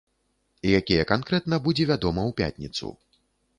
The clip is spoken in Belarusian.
Якія канкрэтна, будзе вядома ў пятніцу.